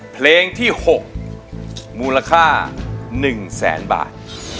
เพลงที่หกมูลค่าหนึ่งแสนบาท